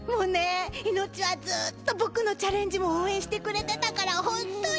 いのっちはずっと僕のチャレンジも応援してくれてたからホントにうれしい。